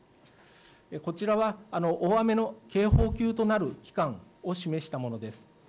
こちらは大雨の警報級となる期間を示したものです。